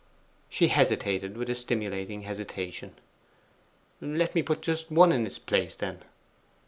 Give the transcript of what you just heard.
She hesitated with a stimulating hesitation. 'Let me put just one in its place, then?